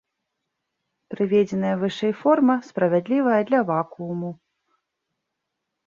Прыведзеная вышэй форма справядлівая для вакууму.